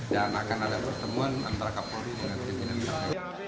dan akan ada pertemuan antara kapolri dengan tim ini